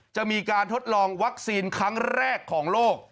จะมีการทดลองวัคซีนครั้งแรกของโลก